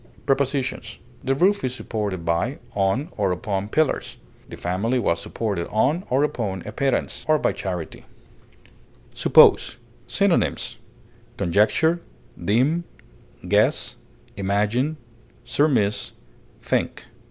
Prepositions: The roof is supported by, on, or upon pillars; the family was supported on or upon a pittance, or by charity. SUPPOSE. Synonyms: conjecture, deem, guess, imagine, surmise, think.